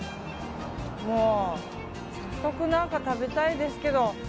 もう早速、何か食べたいですけど。